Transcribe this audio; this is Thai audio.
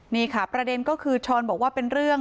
นี่ค่ะประเด็นก็คือช้อนบอกว่าเป็นเรื่อง